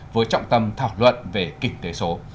với trọng tâm thảo luận về kinh tế số